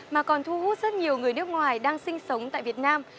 mà còn thu hút rất nhiều người nước ngoài đang sinh sống tại việt nam